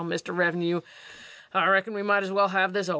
Well, Mr. Revenue, I reckon we might as well have this over.